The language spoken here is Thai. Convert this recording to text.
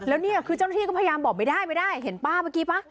แล้วนี่คือเจ้าหน้าที่ก็พยายามบอกไม่ได้ไม่ได้เห็นป้าเมื่อกี้ป่ะ